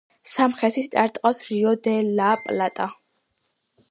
სამხრეთით არტყავს რიო-დე-ლა-პლატა.